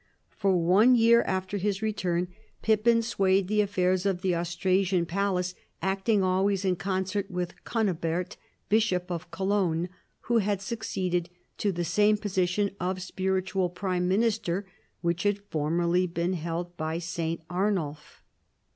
For one year after his return Pippin swayed the 3G CHARLEMAGNE. affairs of the Austrasian palace, acting always in concert with Cunibert, Bishop of Cologne, who had succeeded to the same position of spiritual prime minister which had formerly been held by St. Arnulf.